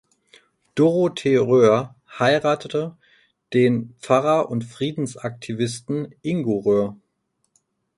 Dorothee Roer heiratete den Pfarrer und Friedensaktivisten Ingo Roer.